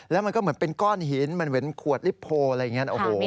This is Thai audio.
แล้วมันก็เหมือนเป็นก้อนหินมันเหมือนขวดลิโพลอะไรอย่างนี้โอ้โห